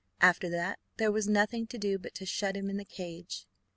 After that there was nothing to do but to shut him in the cage.